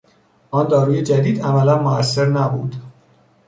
آن داروی جدید عملا موثر نبود.